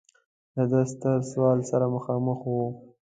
له دې ستر سوال سره مخامخ و.